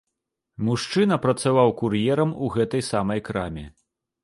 Мужчына працаваў кур'ерам у гэтай самай краме.